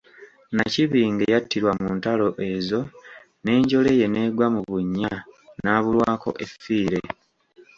Nnakibinge yattirwa mu ntalo ezo n'enjole ye n'egwa mu bunnya n'abulwako effiire.